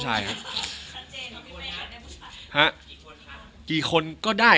จะรักเธอเพียงคนเดียว